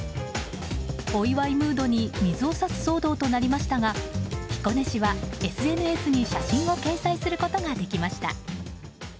お祝いムードに水を差す騒動になりましたが彦根市はＳＮＳに写真を掲載することができました。